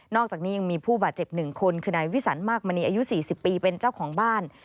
อกจากนี้ยังมีผู้บาดเจ็บ๑คนคือนายวิสันมากมณีอายุ๔๐ปีเป็นเจ้าของบ้าน